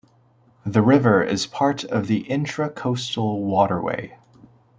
The river is part of the Intracoastal Waterway.